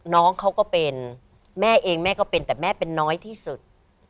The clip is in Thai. น้องเขาก็เป็นแม่เองแม่ก็เป็นแต่แม่เป็นน้อยที่สุด